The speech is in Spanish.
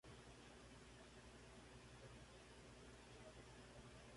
venga, a descansar. buenas noches, Ricardo.